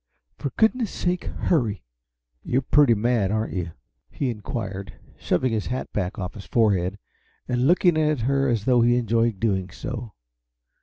"For goodness sake, hurry!" "You're pretty mad, aren't you?" inquired he, shoving his hat back off his forehead, and looking at her as though he enjoyed doing so.